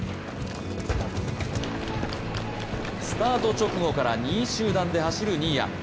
スタート直後から２位集団で走る新谷。